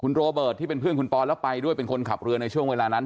โรเบิร์ตที่เป็นเพื่อนคุณปอนแล้วไปด้วยเป็นคนขับเรือในช่วงเวลานั้น